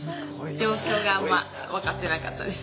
状況があんま分かってなかったです。